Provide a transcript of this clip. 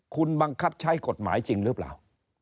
คุณบังคับใช้กฎหมายจริงหรือเปล่า